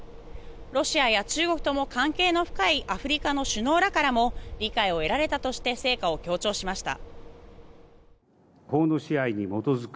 ロシアや中国とも関係の深いアフリカの首脳らからも理解を得られたとして成果を強調しました。